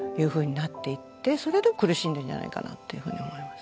それで苦しんでんじゃないかなっていうふうに思います。